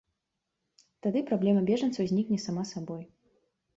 Тады праблема бежанцаў знікне сама сабой.